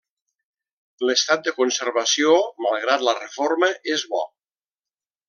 L'estat de conservació, malgrat la reforma, és bo.